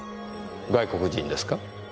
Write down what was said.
外国人ですか？